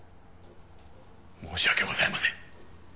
申し訳ございません。